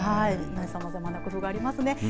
さまざまな工夫がありますね。